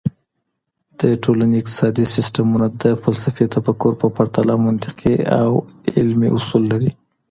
د ټولني اقتصادي سیسټمونه د فلسفي تفکر په پرتله منطقي او علمي اصول لري.